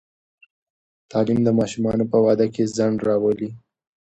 تعلیم د ماشومانو په واده کې ځنډ راولي.